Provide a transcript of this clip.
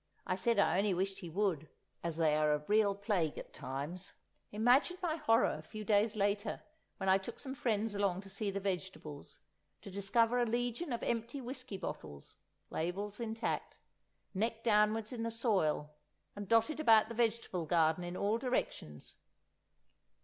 I said I only wished he would, as they are a real plague at times. Imagine my horror a few days later when I took some friends along to see the vegetables, to discover a legion of empty whisky bottles, labels intact, neck downwards in the soil, and dotted about the vegetable garden in all directions.